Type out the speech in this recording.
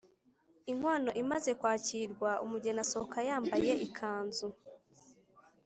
Inkwano imaze kwakirwa umugeni asohoka yambaye ikanzu